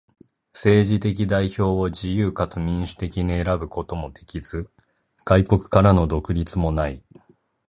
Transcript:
政治的代表を自由かつ民主的に選ぶこともできず、外国からの独立もない。